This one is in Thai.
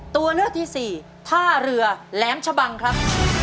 ตัวเลือกที่สี่ท่าเรือแหลมชะบังครับ